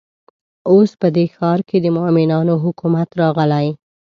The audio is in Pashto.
اوس په دې ښار کې د مؤمنانو حکومت راغلی.